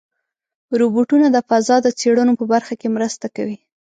روبوټونه د فضا د څېړنو په برخه کې مرسته کوي.